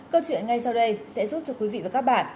câu chuyện ngay sau đây sẽ giúp cho quý vị và các bạn